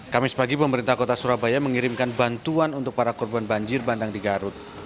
kamis pagi pemerintah kota surabaya mengirimkan bantuan untuk para korban banjir bandang di garut